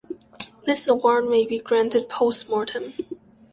This award may be granted "post mortem".